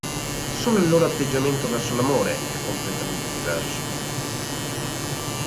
Solo il loro atteggiamento verso l'amore è completamente diverso.